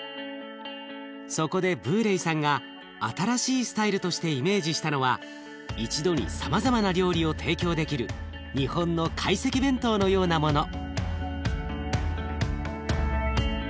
そこでブーレイさんが新しいスタイルとしてイメージしたのは一度にさまざまな料理を提供できる日本の懐石弁当のようなもの。